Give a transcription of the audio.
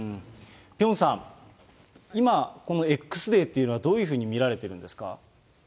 ピョンさん、今このＸデーというのはどういうふうに見られてるんですか。